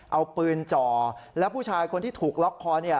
เอาปืนจ่อแล้วผู้ชายคนที่ถูกล็อกคอ